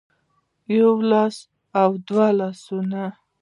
يو لاس او دوه لاسونه